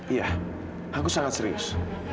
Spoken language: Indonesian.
iya aku sangat serius